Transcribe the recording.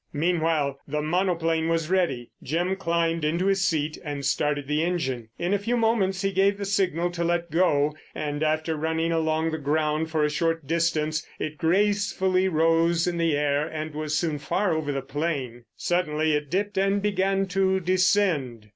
Meanwhile the monoplane was ready. Jim climbed into his seat and started the engine. In a few moments he gave the signal to let go, and after running along the ground for a short distance, it gracefully rose in the air and was soon far over the plain. Suddenly it dipped and began to descend.